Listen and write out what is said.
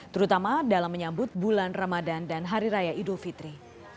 terutama dalam menyambut bulan ramadan dan hari raya idul fitri